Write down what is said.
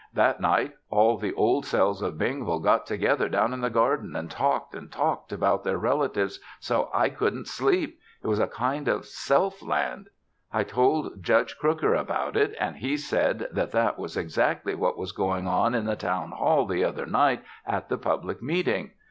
That night, all the Old Selves of Bingville got together down in the garden and talked and talked about their relatives so I couldn't sleep. It was a kind of Selfland. I told Judge Crooker about it and he said that that was exactly what was going on in the Town Hall the other night at the public meeting."